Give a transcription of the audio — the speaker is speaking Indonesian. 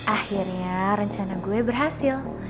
akhirnya rencana gue berhasil